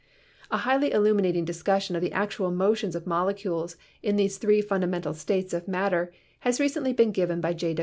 A highly illuminating discussion of the actual motions of molecules in these three fundamental states of matter has recently been given by J.